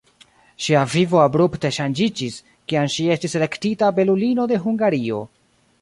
Ŝia vivo abrupte ŝanĝiĝis, kiam ŝi estis elektita "belulino de Hungario".